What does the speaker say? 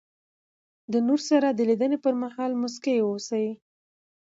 د نور سره د لیدني پر مهال مسکی واوسئ.